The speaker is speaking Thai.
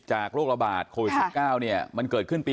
โรคระบาดโควิด๑๙มันเกิดขึ้นปี๒